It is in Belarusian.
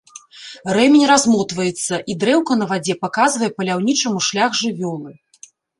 Рэмень размотваецца, і дрэўка на вадзе паказвае паляўнічаму шлях жывёлы.